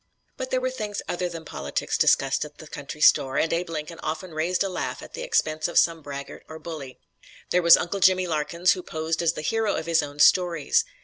But there were things other than politics discussed at the country store, and Abe Lincoln often raised a laugh at the expense of some braggart or bully. There was "Uncle Jimmy" Larkins, who posed as the hero of his own stories.